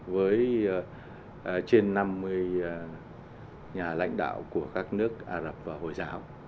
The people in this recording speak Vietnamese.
với trên năm mươi nhà lãnh đạo của các nước ả rập và hồi giáo